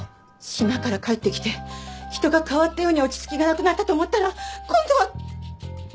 島から帰ってきて人が変わったように落ち着きがなくなったと思ったら今度はコスプレ！？